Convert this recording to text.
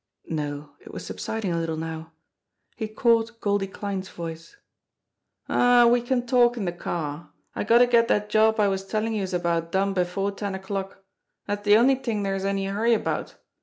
No it was subsiding a little now. He caught Goldie Kline's voice : "Aw, we can talk in de car. I gotta get dat job I was tellin' youse about done before ten o'clock. Dat's de only t'ing dere's any hurry about.